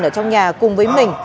ở trong nhà cùng với mình